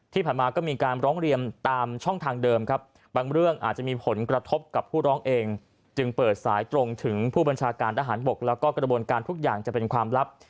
ที่ผ่านมาก็มีการร้องเรียมตามช่องทางเดิมครับ